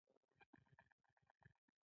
هېواد له کلیو جوړ دی